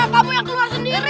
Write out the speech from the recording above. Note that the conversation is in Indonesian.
kamu yang keluar sendiri